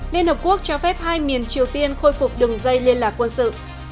liên hợp quốc cho phép hai miền triều tiên khôi phục đường dây liên lạc quân sự